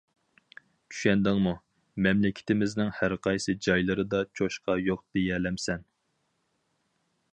چۈشەندىڭمۇ؟ مەملىكىتىمىزنىڭ ھەرقايسى جايلىرىدا چوشقا يوق دېيەلەمسەن.